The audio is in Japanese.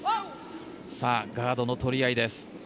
ガードの取り合いです。